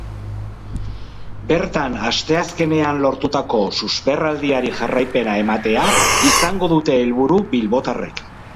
Bertan asteazkenean lortutako susperraldiari jarraipena ematea izango dute helburu bilbotarrek.